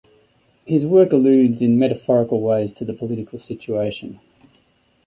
His work alludes in metaphorical ways to the political situation.